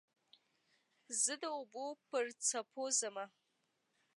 زه د اوبو پر څپو ځمه